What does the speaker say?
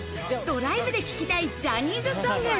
ドライブで聴きたいジャニーズソング。